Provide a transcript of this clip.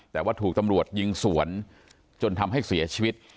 แต่ว่าถูกตำรวจยิงสวนจนทำให้เสียชีวิต